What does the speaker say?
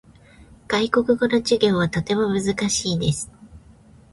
外国語の授業はとても難しいです。